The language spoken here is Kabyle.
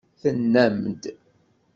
Tennam-d.